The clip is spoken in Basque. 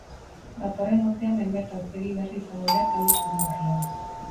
Datorren urtean hainbat aurpegi berri izango dira talde zuri-gorrian.